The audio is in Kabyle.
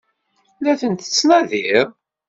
La ten-tettnadiḍ?